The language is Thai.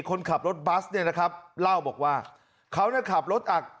คนขับรถบัสเนี่ยนะครับเล่าบอกว่าเขาน่ะขับรถอ่ะ